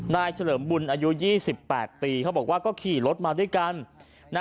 เฉลิมบุญอายุ๒๘ปีเขาบอกว่าก็ขี่รถมาด้วยกัน